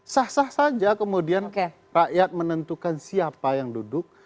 sah sah saja kemudian rakyat menentukan siapa yang duduk